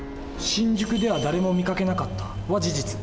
「新宿では誰も見かけなかった」は事実。